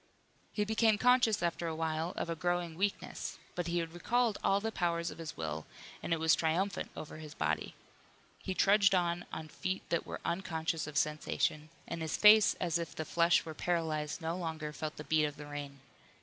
He became conscious after a while of a growing weakness, but he had recalled all the powers of his will and it was triumphant over his body. He trudged on on feet that were unconscious of sensation, and his face as if the flesh were paralyzed no longer felt the beat of the rain.